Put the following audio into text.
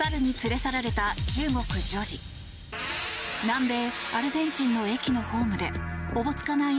南米アルゼンチンの駅のホームでおぼつかない